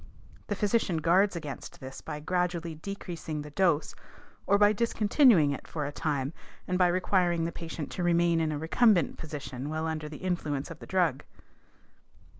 The physician guards against this by gradually decreasing the dose or by discontinuing it for a time and by requiring the patient to remain in a recumbent position while under the influence of the drug.